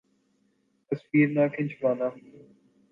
تصویر نہ کھنچوان